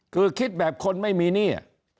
คือคิดแบบคนไม่มีหนี้